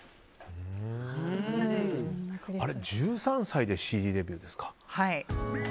１３歳でＣＤデビューですか。